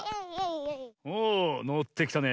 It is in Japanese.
おおのってきたね。